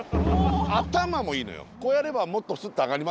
頭もいいのよ。